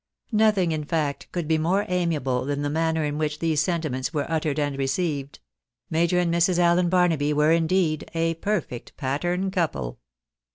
Nothing, in fact, could be more amiable than the manner in which these sentiments were uttered and received ; Major and Mrs. AUen Barnaby were indeed a perfect pattern couple.